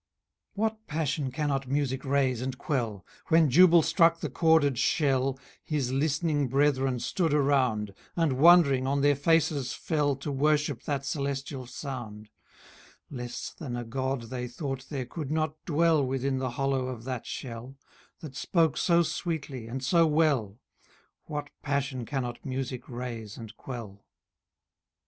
What passion cannot music raise and quell? When Jubal struck the chorded shell, His listening brethren stood around, And, wondering, on their faces fell To worship that celestial sound: Less than a God they thought there could not dwell Within the hollow of that shell, That spoke so sweetly, and so well. What passion cannot music raise and quell?